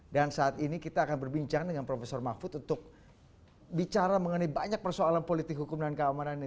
dan saat ini kita akan berbincang dengan prof mahfud untuk bicara mengenai banyak persoalan politik hukum dan keamanan ini